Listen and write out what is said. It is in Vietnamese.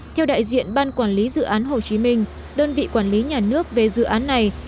theo đại diện ban quản lý dự án hồ chí minh đơn vị quản lý nhà nước về dự án này